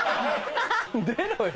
出ろよ。